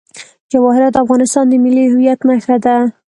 جواهرات د افغانستان د ملي هویت نښه ده.